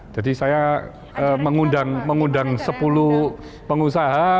jadi saya mengundang sepuluh pengusaha